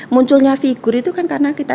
munculnya figur itu kan karena kita